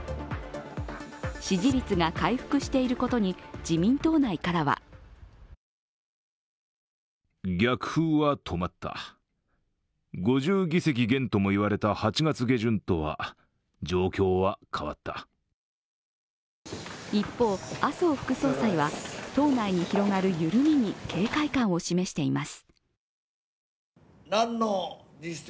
支持率が回復していることに自民党内からは一方、麻生副総裁は党内に広がる緩みに警戒感を示しています。